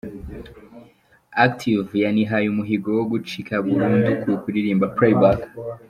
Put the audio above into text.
Active yanihaye umuhigo wo gucika burundu ku kuririmba playback.